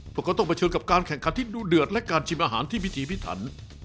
เพราะเขาต้องเผชิญกับการแข่งขันที่ดูเดือดและการชิมอาหารที่พิถีพิถัน